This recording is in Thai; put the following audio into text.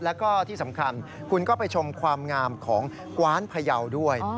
แล้วก็ที่สำคัญคุณก็ไปชมความงามของกว้านพยาวด้วย